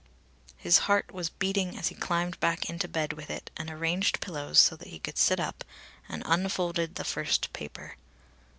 His heart was beating as he climbed back into bed with it and arranged pillows so that he could sit up, and unfolded the first paper.